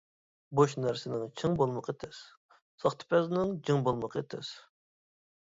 بوش نەرسىنىڭ چىڭ بولمىقى تەس، ساختىپەزنىڭ جىڭ بولمىقى تەس.